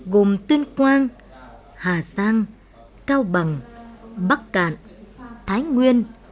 gồm tuyên quang hà giang cao bằng bắc cạn thái nguyên